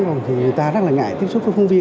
còn thì người ta rất là ngại tiếp xúc với phóng viên